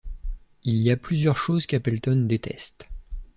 Il y a plusieurs choses qu'Appeltown déteste.